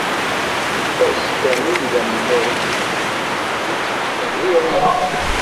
Ass kamel, d amennuɣ yid-i, ittqehhir-iyi!